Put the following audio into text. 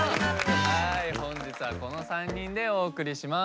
本日はこの３人でお送りします。